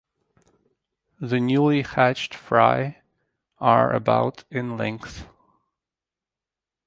The newly hatched fry are about in length.